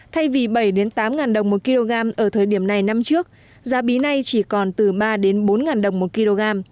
thay vì bảy tám đồng một kg ở thời điểm này năm trước giá bí này chỉ còn từ ba bốn đồng một kg